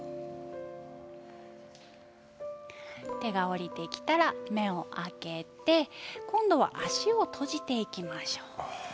手が下りてきたら目を開けて今度は足を閉じていきましょう。